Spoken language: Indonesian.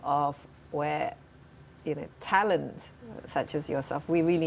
contoh yang bisa diberikan kemampuan seperti kamu